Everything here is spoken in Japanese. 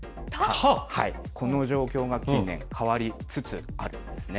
この状況が近年、変わりつつあるんですね。